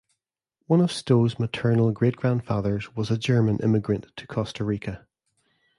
One of Stowe's maternal great-grandfathers was a German immigrant to Costa Rica.